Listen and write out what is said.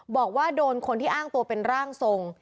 บอกว่าโดนคนที่อ้างตัวเป็นร่างทรง